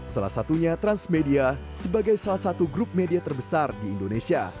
salah satunya transmedia sebagai salah satu grup media terbesar di indonesia